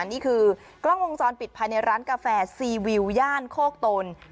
นี่คือกล้องวงจรปิดภายในร้านกาแฟซีวิวย่านโคกตน